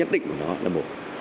đó là một